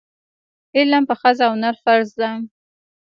علم په ښځه او نر فرض ده.